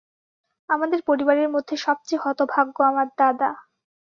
আমাদের পরিবারের মধ্যে সব চেয়ে হতভাগ্য আমার দাদা।